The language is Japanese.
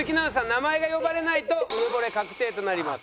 名前が呼ばれないとうぬぼれ確定となります。